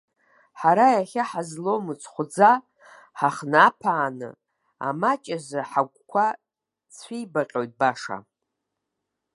Ҳара иахьа ҳазлоу мыцхәӡа ҳахнаԥааны амаҷ азы ҳагәқәа цәибаҟьоит баша.